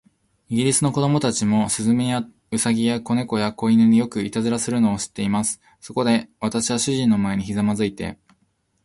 イギリスの子供たちも、雀や、兎や、小猫や、小犬に、よくいたずらをするのを知っています。そこで、私は主人の前にひざまずいて